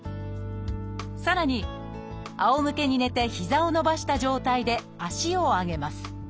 さらにあおむけに寝て膝を伸ばした状態で足を上げます。